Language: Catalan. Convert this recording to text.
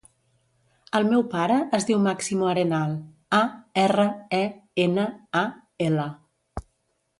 El meu pare es diu Máximo Arenal: a, erra, e, ena, a, ela.